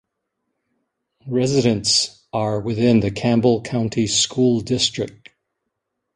Residents are within the Campbell County School District.